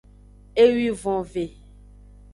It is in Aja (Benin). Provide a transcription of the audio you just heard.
Ewivonve.